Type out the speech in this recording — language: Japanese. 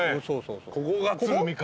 ここが鶴見か。